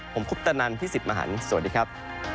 ผมคุปตะนันพี่สิทธิ์มหันฯสวัสดีครับ